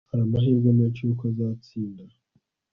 Hari amahirwe menshi yuko azatinda